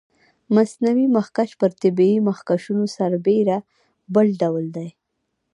مصنوعي مخکش پر طبیعي مخکشونو سربېره بل ډول دی.